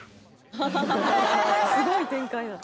すごい展開だ。